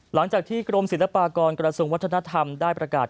หลังจากที่กรมศิลปากรกระทรวงวัฒนธรรมได้ประกาศ